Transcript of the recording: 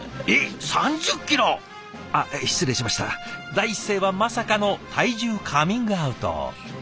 第一声はまさかの体重カミングアウト。